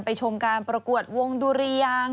ชมการประกวดวงดุรยาง